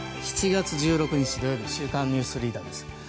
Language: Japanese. ７月１６日、土曜日「週刊ニュースリーダー」です。